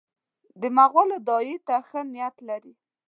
د مغولو داعیې ته ښه نیت لري.